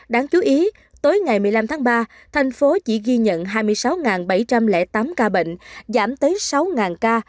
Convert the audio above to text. đáng chú ý tới ngày một mươi năm tháng ba thành phố chỉ ghi nhận hai mươi sáu bảy trăm linh tám ca bệnh giảm tới sáu ca